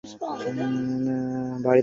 আমার মাল চাই।